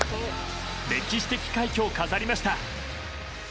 歴史的快挙を飾りました。